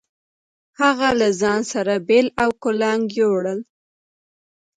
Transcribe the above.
هغه له ځان سره بېل او کُلنګ يو وړل.